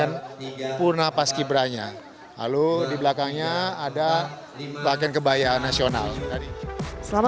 aud miller indispensable nya lalu di belakangnya ada bagian kebahayaan nasional mantadi selama